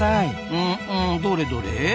ううんどれどれ？